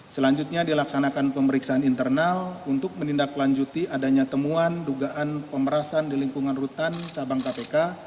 selanjutnya dilaksanakan pemeriksaan internal untuk menindaklanjuti adanya temuan dugaan pemerasan di lingkungan rutan cabang kpk